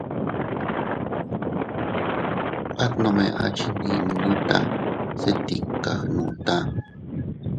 At nome a chinninuta se tika gnuta.